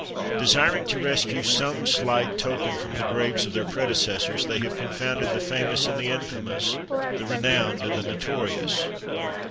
Desiring to rescue some slight token from the graves of their predecessors, they have confounded the famous and the infamous, the renowned and the notorious.